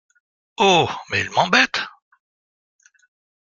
Oh ! mais, il m’embête…